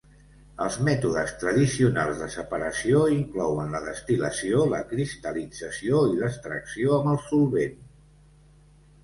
Els mètodes tradicionals de separació inclouen la destil·lació, la cristal·lització i l'extracció amb el solvent.